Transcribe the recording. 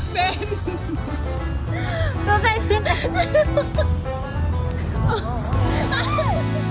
มันใกล้เสื้อไป